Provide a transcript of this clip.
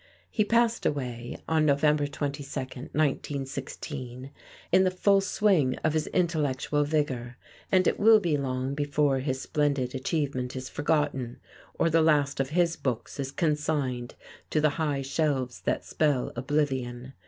He passed away on November 22, 1916, in the full swing of his intellectual vigor, and it will be long before his splendid achievement is forgotten, or the last of his books is consigned to the high shelves that spell oblivion.